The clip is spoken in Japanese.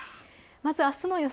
まず、あすの予想